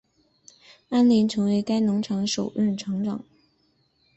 安林成为该农场首任场长。